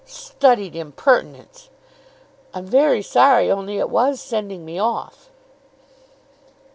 "Studied impertinence " "I'm very sorry. Only it was sending me off."